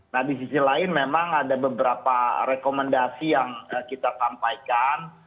nah di sisi lain memang ada beberapa rekomendasi yang kita sampaikan